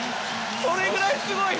それぐらいすごい！